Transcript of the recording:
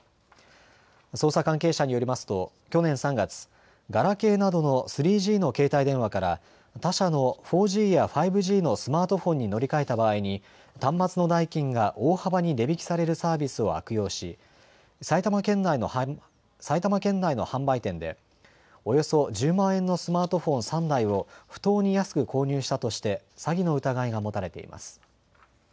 捜査関係者によりますと去年３月、ガラケーなどの３Ｇの携帯電話から他社の４Ｇや５Ｇのスマートフォンに乗り換えた場合に端末の代金が大幅に値引きされるサービスを悪用し埼玉県内の販売店でおよそ１０万円のスマートフォン３台を不当に安く購入したとして詐欺の疑いが持たれています。